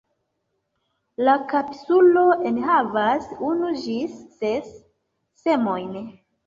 La kapsulo enhavas unu ĝis ses semojn.